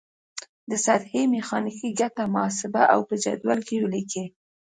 د سطحې میخانیکي ګټه محاسبه او په جدول کې ولیکئ.